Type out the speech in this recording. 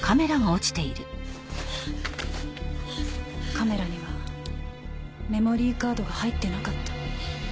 カメラにはメモリーカードが入ってなかった。